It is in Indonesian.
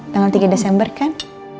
tanggal tiga desember kan